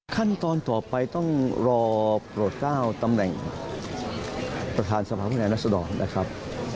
ขั้นตอนต่อไปต้องรอปลดกล้าวตำแหน่งประธานสภาพนักงานนักสดอร์นะครับ